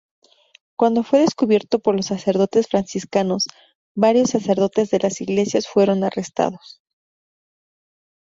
Cuando fue descubierto por los sacerdotes franciscanos, varios sacerdotes de las iglesias fueron arrestados.